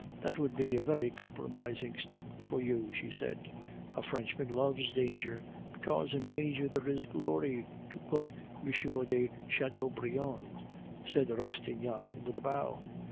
"That would be a very compromising step for you," she said. "'A Frenchman loves danger, because in danger there is glory,' to quote M. de Chateaubriand," said Rastignac, with a bow.